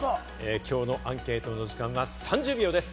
今日のアンケートの時間は３０秒です。